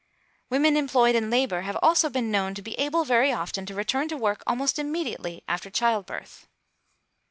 Women employed in labour have also been known to be able very often to return to work almost immediately after child birth.